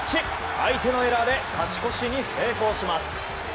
相手のエラーで勝ち越しに成功します。